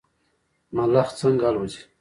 ملخ څنګه الوځي؟